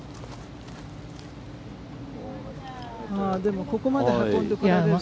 でも、ここまで運んでこられると。